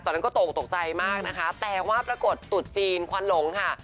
ตอนนั้นก็ตกตกใจมากนะคะแต่ว่าปรากฏตุ๊ดจีนควันหลงค่ะ